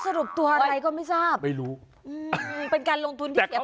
สรุปตัวอะไรก็ไม่ทราบเป็นการลงทุนที่เสียเปล่า